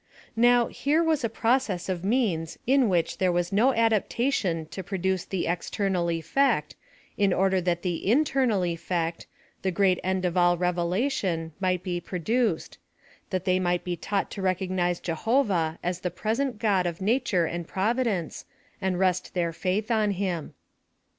PLAN OF SALVATION. 113 Now, Ljre was a process of means in which there waw no adap tation to produce the external effect, in orderlhat the internal effect, the great end ot all revelation, might be produced — that they might be taught to recognise Jehovah as the present God of f nature and providence, and rest their faith on him.